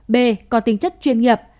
b có tính chất chuyên nghiệp